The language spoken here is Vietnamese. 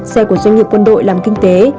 xe của doanh nghiệp quân đội làm kinh tế